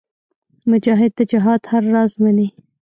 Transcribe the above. مجاهد د جهاد هر راز منې.